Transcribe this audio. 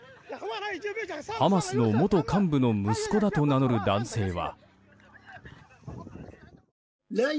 ハマスの元幹部の息子だと名乗る男性は。